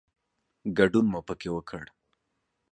ګډون مو پکې وکړ.